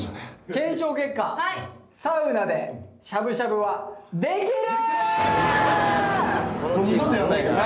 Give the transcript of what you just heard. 検証結果サウナでしゃぶしゃぶはできる！